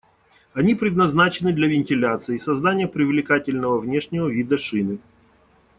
Они предназначены для вентиляции и создания привлекательного внешнего вида шины.